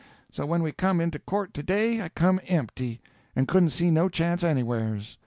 So when we come into court to day I come empty, and couldn't see no chance anywheres.